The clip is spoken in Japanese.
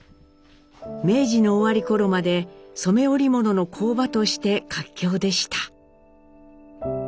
明治の終わり頃まで染め織物の工場として活況でした。